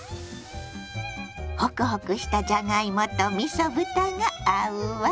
ホクホクしたじゃがいもとみそ豚が合うわ。